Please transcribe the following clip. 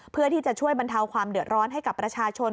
เพื่อที่จะช่วยบรรเทาความเดือดร้อนให้กับประชาชน